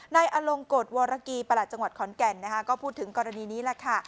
อลงกฎวรกีประหลัดจังหวัดขอนแก่นก็พูดถึงกรณีนี้แหละค่ะ